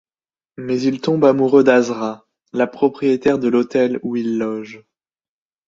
Mais il tombe amoureux d'Azra, la propriétaire de l'hôtel où il loge.